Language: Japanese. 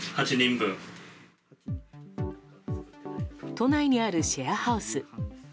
都内にあるシェアハウス。